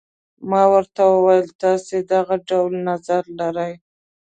ما ورته وویل تاسي دغه ډول نظر لرئ.